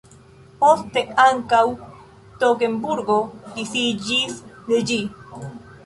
Poste ankaŭ Togenburgo disiĝis de ĝi.